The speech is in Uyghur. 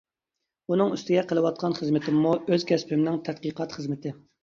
ئۇنىڭ ئۈستىگە قىلىۋاتقان خىزمىتىممۇ ئۆز كەسپىمنىڭ تەتقىقات خىزمىتى.